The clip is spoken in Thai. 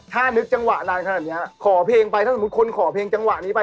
ถ้านึกจังหวะนานขนาดเนี้ยขอเพลงไปถ้าสมมุติคนขอเพลงจังหวะนี้ไป